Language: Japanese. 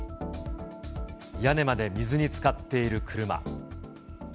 屋根まで水につかっている車。